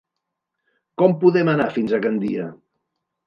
Com podem anar fins a Gandia?